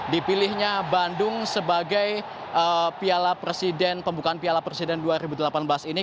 dipilihnya bandung sebagai pembukaan piala presiden dua ribu delapan belas ini